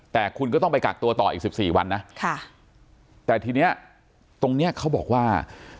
แต่คุณก็ต้องไปกักตัวต่ออีกสิบสี่วันนะแต่ทีนี้ตรงเนี้ยเขาบอกว่า